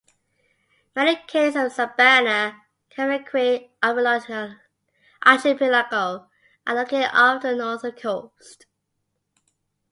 Many cays of the Sabana-Camaguey Archipelago are located off the northern coast.